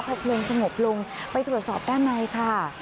พอเพลิงสงบลงไปตรวจสอบด้านในค่ะ